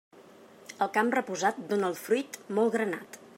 El camp reposat dóna el fruit molt granat.